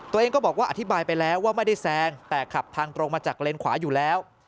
ตัวเองก็บอกว่าอธิบายไปแล้วว่าไม่ได้แซงแต่ขับทางตรงมาจากเลนขวาอยู่แล้ว